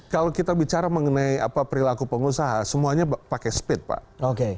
kalau kita bicara mengenai perilaku pengusaha semuanya pakai speed pak